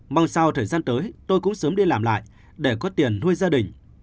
mong sao thời gian tới tôi cũng sớm đi làm lại để có tiền nuôi gia đình